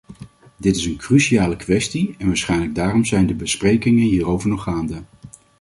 Dit is een cruciale kwestie en waarschijnlijk daarom zijn de besprekingen hierover nog gaande.